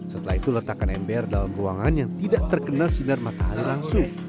setelah itu letakkan ember dalam ruangan yang tidak terkena sinar matahari langsung